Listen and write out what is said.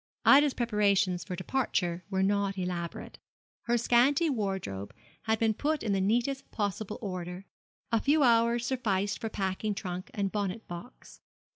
Ida's preparations for departure were not elaborate. Her scanty wardrobe had been put in the neatest possible order. A few hours sufficed for packing trunk and bonnet box.